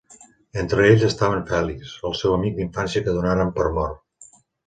Entre ells estaven Fèlix, el seu amic d'infància que donaren per mort.